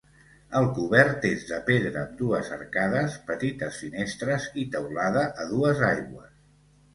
El cobert és de pedra amb dues arcades, petites finestres i teulada a dues aigües.